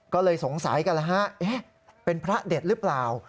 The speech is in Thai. ก็เลยสงสัยกันแล้วฮะเป็นพระเด็ดหรือเปล่า